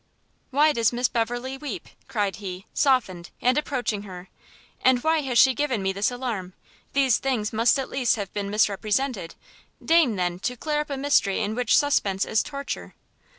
"Why does Miss Beverley weep?" cried he, softened, and approaching her, "and why has she given me this alarm? these things must at least have been misrepresented, deign, then, to clear up a mystery in which suspense is torture!"